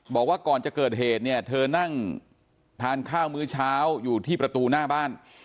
บอกว่าก่อนจะเกิดเหตุเนี่ยเธอนั่งทานข้าวมื้อเช้าอยู่ที่ประตูหน้าบ้าน